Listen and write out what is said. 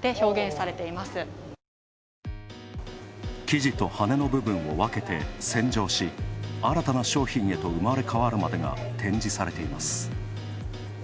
生地と羽の部分を分けて洗浄し新たな商品へと生まれ変わるまでが展示されています。